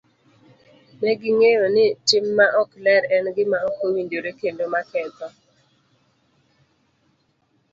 Ne ging'eyo ni tim maok ler en gima ok owinjore kendo maketho.